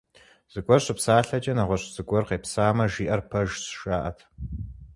Зыгуэр щыпсалъэкӏэ нэгъуэщӀ зыгуэр къепсамэ, жиӀэр пэжщ, жаӀэрт.